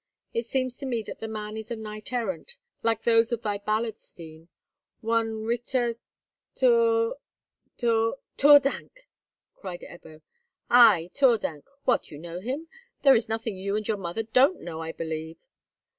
It seems to me that the man is a knight errant, like those of thy ballads, Stine—one Ritter Theur—Theur—" "Theurdank!" cried Ebbo. "Ay, Theurdank. What, you know him? There is nothing you and your mother don't know, I believe."